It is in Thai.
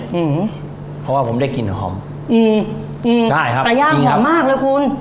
อืมเพราะว่าผมได้กลิ่นหอมอืมอืมใช่ครับปลาย่างหอมมากเลยคุณ